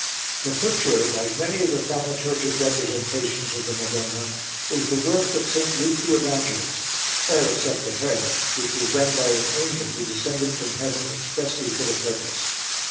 The picture, like many of the thaumaturgic representations of the Madonna, is the work of St. Luke the Evangelist all except the head which was done by an angel who descended from heaven expressly for the purpose.